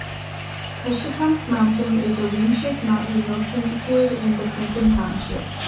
Cushetunk Mountain is a ring-shaped mountain located in Clinton Township.